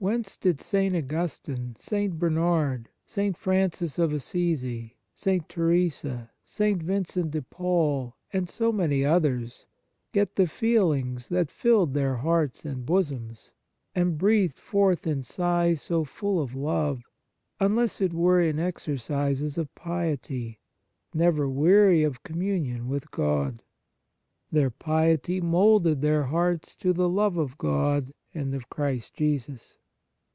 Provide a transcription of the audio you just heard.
Whence did St. Augustine, St. Ber nard, St. Francis of Assisi, St. Theresa, St. Vincent de Paul, and so many others, get the feelings that filled their hearts and bosoms, and breathed forth in sighs so full of love, unless it were in exercises of piety, never weary of communion with God ? Their piety moulded their hearts to the love of God and of Christ Jesus.